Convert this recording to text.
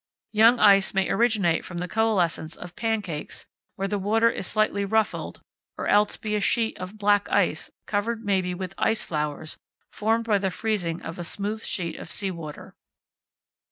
Young ice may originate from the coalescence of "pancakes," where the water is slightly ruffled or else be a sheet of "black ice," covered maybe with "ice flowers," formed by the freezing of a smooth sheet of sea water.